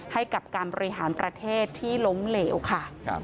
ให้กับการบริหารประเทศที่ล้มเหลวค่ะ